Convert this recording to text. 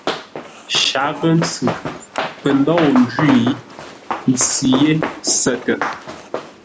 Shaghʼə-ntsʉ pə̂ ndôu ńjwî, ntsʉ ye sətə.